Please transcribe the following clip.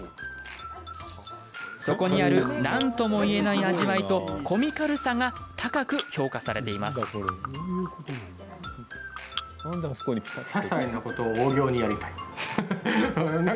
そこにある、なんとも言えない味わいとコミカルさが高く評価されています。